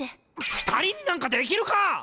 ２人になんかできるか！